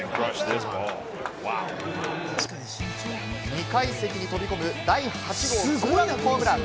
２階席に飛び込む第８号のツーランホームラン。